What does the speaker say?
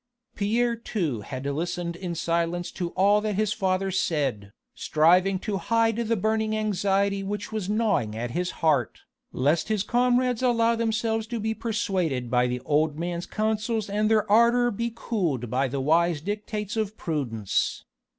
Pierre too had listened in silence to all that his father said, striving to hide the burning anxiety which was gnawing at his heart, lest his comrades allowed themselves to be persuaded by the old man's counsels and their ardour be cooled by the wise dictates of prudence.